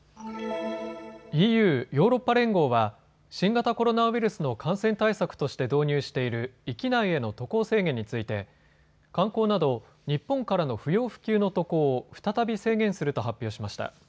ＥＵ・ヨーロッパ連合は新型コロナウイルスの感染対策として導入している域内への渡航制限について観光など、日本からの不要不急の渡航を再び制限すると発表しました。